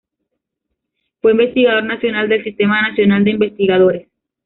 Fue investigador nacional del Sistema Nacional de Investigadores.